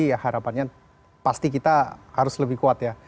jadi harapannya pasti kita harus lebih kuat ya